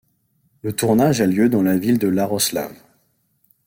Le tournage a lieu dans la ville de Iaroslavl.